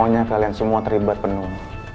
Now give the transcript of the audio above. jadi saya maunya kalian semua terlibat penuh